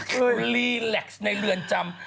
คือลีแล็กซ์ในเรือนจำ